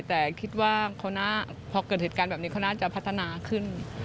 แต่คิดว่าพอเกิดเหตุการณ์แบบนี้เขาน่าจะพัฒนาขึ้น